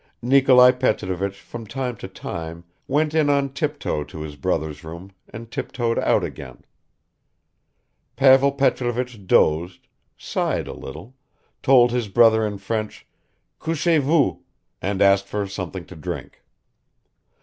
Nikolai Petrovich from time to time went in on tiptoe to his brother's room and tiptoed out again; Pavel Petrovich dozed, sighed a little, told his brother in French "Couchez vous," and asked for something to drink.